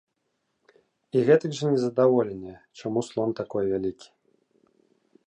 І гэтак жа незадаволеныя, чаму слон такой вялікі.